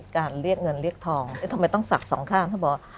เรียกเงินเรียกทองทำไมต้องศักดิ์สองข้างถ้าบอก